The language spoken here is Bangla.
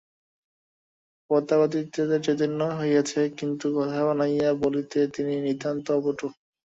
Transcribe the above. প্রতাপাদিত্যের চৈতন্য হইয়াছে, কিন্তু কথা বানাইয়া বলিতে তিনি নিতান্ত অপটু।